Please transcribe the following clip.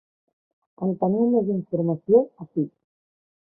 En teniu més informació ací.